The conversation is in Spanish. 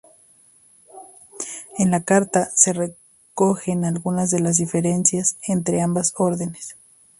En la carta se recogen algunas de las diferencias entre ambas órdenes.